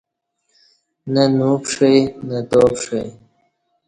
نہ نو پݜی نہ تاپݜی